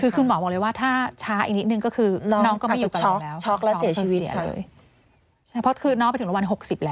ความดัน